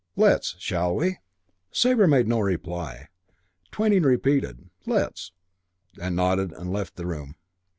Let's, shall we?" Sabre made no reply. Twyning repeated "Let's" and nodded and left the room.